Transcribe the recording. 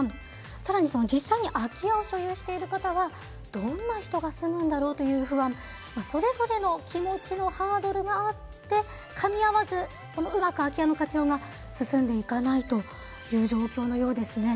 さらに、実際に空き家を所有している方はどんな人が住むんだろう？という不安、それぞれの気持ちのハードルがあって、かみ合わずうまく空き家の活用が進んでいかないという状況ですね。